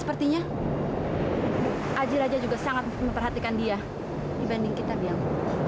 sepertinya aji raja juga sangat memperhatikan dia dibanding kita bilang